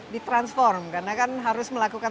di transform karena kan harus melakukan